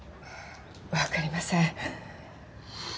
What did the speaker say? わかりません。